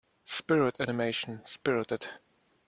Spirit animation Spirited.